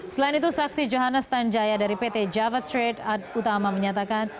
selain itu saksi johannes tanjaya dari pt java trade utama menyatakan